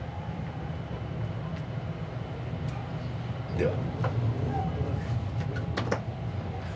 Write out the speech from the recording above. では。